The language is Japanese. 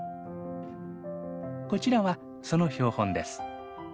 こちらはその標本です。